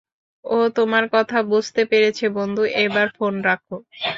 ও তোমার কথা বুঝতে পেরেছে বন্ধু, এবার ফোন রাখো।